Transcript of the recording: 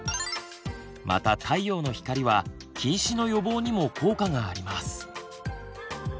また太陽の光は近視の予防にも効果があります。